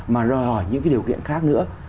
mà lo hỏi những cái điều kiện khác nữa